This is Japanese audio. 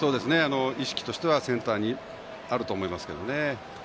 意識としてはセンターにあると思いますね。